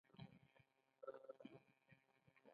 د افغانستان د اقتصادي پرمختګ لپاره پکار ده چې هوټلونه جوړ شي.